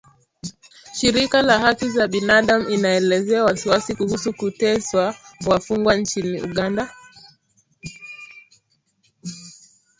Shirika la haki za binadam inaelezea wasiwasi kuhusu kuteswa wafungwa nchini Uganda